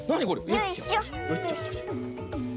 よいしょ。